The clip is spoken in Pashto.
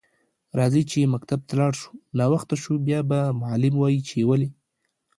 راځه چی مکتب ته لاړ شو ناوخته شو بیا به معلم وایی چی ولی